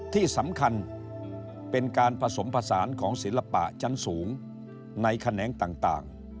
ที่สำคัญเป็นการผสมผสานของศิลปะชั้นสูงในแขนงต่าง